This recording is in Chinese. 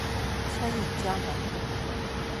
餐饮加盟